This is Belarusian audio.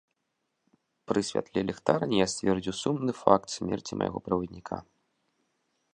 Пры святле ліхтарні я сцвердзіў сумны факт смерці майго правадніка.